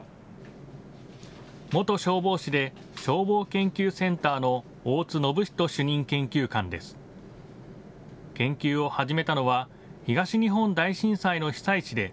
元消防士で消防研究センターの大津暢人主任研究官です。